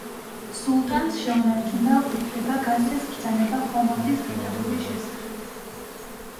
სულტანს შეუნარჩუნდა უფლება გასცეს ბრძანება ხომალდის გატარების შესახებ.